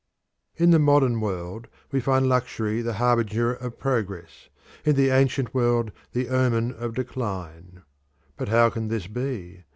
In the modern world we find luxury the harbinger of progress, in the ancient world the omen of decline. But how can this be?